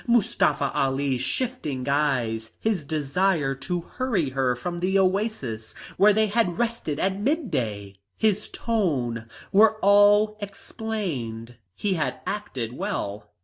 Mustafa Ali's shifting eyes, his desire to hurry her from the oasis where they had rested at mid day, his tone were all explained. He had acted well.